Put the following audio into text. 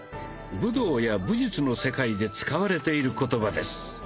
武道や武術の世界で使われている言葉です。